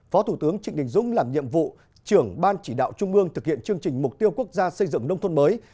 phó thủ tướng trịnh đình dũng làm nhiệm vụ trưởng ban chỉ đạo trung ương thực hiện chương trình mục tiêu quốc gia xây dựng nông thôn mới